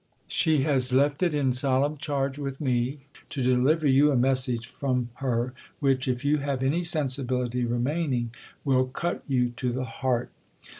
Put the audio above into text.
She has left it in solemn charge with me, to deliver you a message from^ her, which, if you have any sensibility remaining, will cut you to the heart.